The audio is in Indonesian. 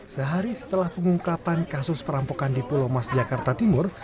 sehari setelah pengungkapan kasus perampokan di pulau mas jakarta timur